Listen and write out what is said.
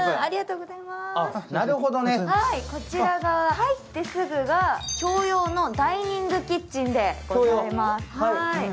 入ってすぐが共用のダイニングキッチンでございます。